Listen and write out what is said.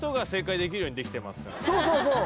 そうそうそう。